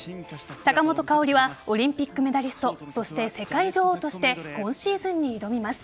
坂本花織はオリンピックメダリストそして世界女王として今シーズンに挑みます。